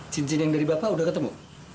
cincin yang dari bapak udah ketemu